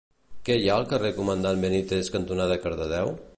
Què hi ha al carrer Comandant Benítez cantonada Cardedeu?